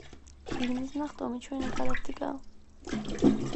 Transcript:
ირმის ნახტომი ჩვენი გალაქტიკაა